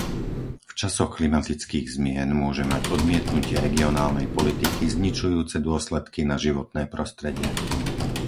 V časoch klimatických zmien môže mať odmietnutie regionálnej politiky zničujúce dôsledky na životné prostredie.